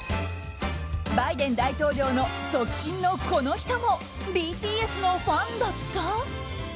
バイデン大統領の側近のこの人もＢＴＳのファンだった？